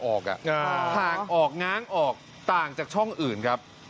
ห่างออกง้างออกต่างจากช่องอื่นครับ